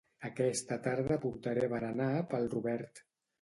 Aquesta tarda portaré berenar pel Robert